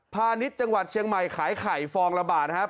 ณิชย์จังหวัดเชียงใหม่ขายไข่ฟองละบาทนะครับ